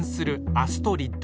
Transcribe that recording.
アストリッド！